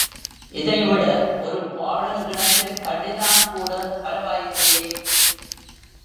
இதைவிட ஒரு பாழுங்கிணற்றில் தள்ளினால்கூட பரவாயில்லையே?